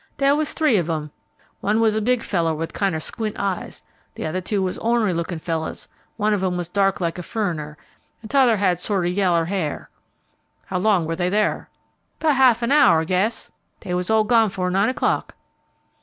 "There was three of 'em. One was a big feller with kinder squint eyes, the other two was ornery lookin' fellers; one of 'em was dark like a furriner, an' t'other one had sorter yeller hair." "How long were they there?" "About half 'n hour, I guess. They was all gone 'fore nine o'clock."